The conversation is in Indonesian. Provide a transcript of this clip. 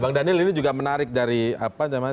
bang daniel ini juga menarik dari apa namanya